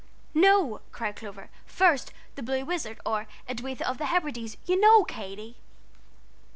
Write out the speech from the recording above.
"No," cried Clover; "first 'The Blue Wizard, or Edwitha of the Hebrides,' you know, Katy."